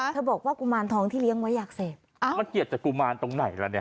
บอกว่ากุมารทองที่เลี้ยงไว้อยากเสพอ่ามันเกลียดจากกุมารตรงไหนล่ะเนี่ย